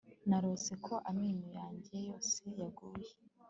Narose ko amenyo yanjye yose yaguye